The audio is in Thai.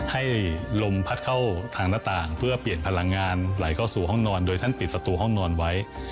ให้ลมพัดเข้าทางหน้าต่างเพื่อเปลี่ยนพลังงานไหลเข้าสู่ห้องนอนโดยท่านปิดประตูห้องนอนไว้